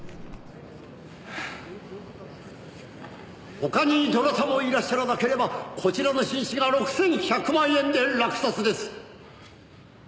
「他にどなたもいらっしゃらなければこちらの紳士が６１００万円で落札です」